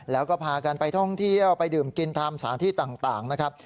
แล้วก็พากันไปท่องเที่ยวไปดื่มกินตามสถานที่ต่างนะครับ